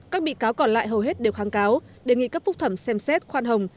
các bị cáo còn lại hầu hết đều kháng cáo đề nghị cấp phúc thẩm xem xét khoan hồng